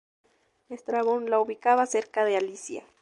Estrabón la ubicaba cerca de Alicia.